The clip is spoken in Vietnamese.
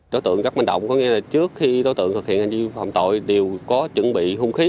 đối tượng rất mạnh động có nghĩa là trước khi đối tượng thực hiện hành vi phòng tội đều có chuẩn bị